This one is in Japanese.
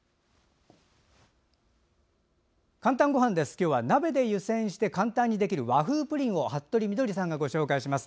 今日は鍋で湯煎して簡単にできる和風プリンを服部みどりさんがご紹介します。